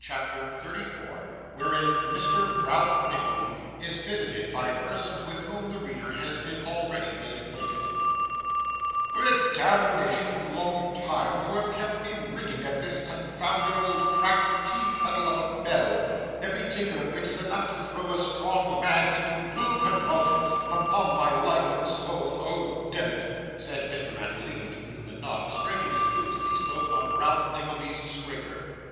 CHAPTER 34 Wherein Mr. Ralph Nickleby is visited by Persons with whom the Reader has been already made acquainted 'What a demnition long time you have kept me ringing at this confounded old cracked tea kettle of a bell, every tinkle of which is enough to throw a strong man into blue convulsions, upon my life and soul, oh demmit,' said Mr. Mantalini to Newman Noggs, scraping his boots, as he spoke, on Ralph Nickleby's scraper.